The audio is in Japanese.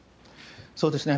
そうですね。